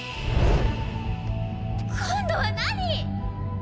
今度は何？